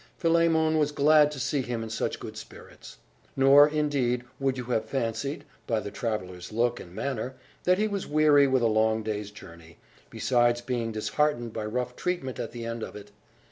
Philemon was glad to see him in such good spirits; nor, indeed, would you have fancied, by the traveller's look and manner, that he was weary with a long day's journey, besides being disheartened by rough treatment at the end of it.